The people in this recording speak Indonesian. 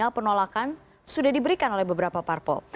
penolakan sudah diberikan oleh beberapa parpol